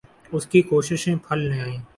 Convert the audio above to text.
اس کی کوششیں پھل لے آئیں۔